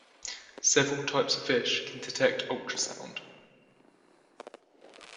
Several types of fish can detect ultrasound.